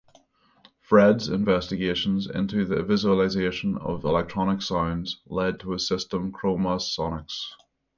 Fred's investigations into the visualisation of electronic sounds led to his system Chromasonics.